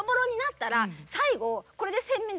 最後。